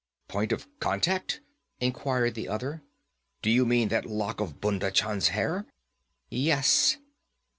'Point of contact?' inquired the other. 'Do you mean that lock of Bhunda Chand's hair?' 'Yes.